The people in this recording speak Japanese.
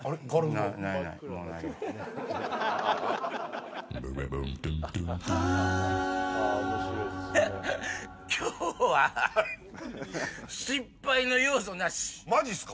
もうない今日ははい失敗の要素なしマジっすか？